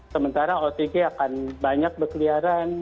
sementara otg akan banyak berkeliaran